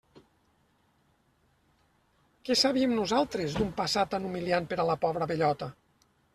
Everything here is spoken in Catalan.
Què sabíem nosaltres d'un passat tan humiliant per a la pobra bellota!